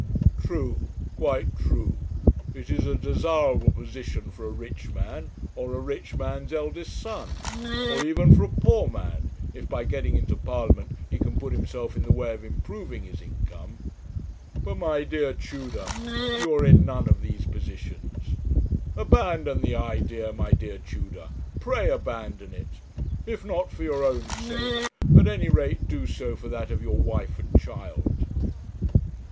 'True, quite true. It is a desirable position for a rich man, or a rich man's eldest son, or even for a poor man, if by getting into Parliament he can put himself in the way of improving his income. But, my dear Tudor, you are in none of these positions. Abandon the idea, my dear Tudor pray abandon it. If not for your own sake, at any rate do so for that of your wife and child.'